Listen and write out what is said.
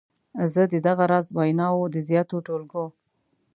زه د دغه راز ویناوو د زیاتو ټولګو.